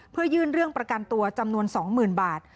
เพื่อยื่นเรื่องประกันตัวจำนวน๒๐๐๐บาท